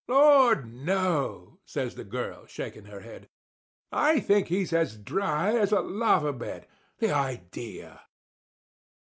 "Lord! no," says the girl, shaking her head. "I think he's as dry as a lava bed. The idea!"